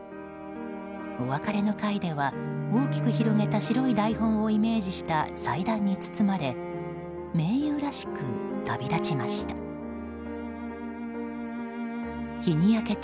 お別れの会では大きく広げた白い台本をイメージした祭壇に包まれ名優らしく旅立ちました。